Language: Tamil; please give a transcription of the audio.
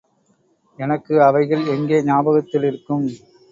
எனக்கு அவைகள் எங்கே ஞாபகத்திலிருக்கும்?